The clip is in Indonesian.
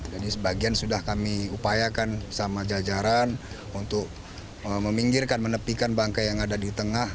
jadi sebagian sudah kami upayakan sama jajaran untuk meminggirkan menepikan bangkai yang ada di tengah